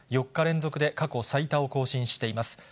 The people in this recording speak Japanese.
４日連続で過去最多を更新しています。